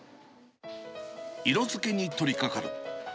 色付けにとりかかる。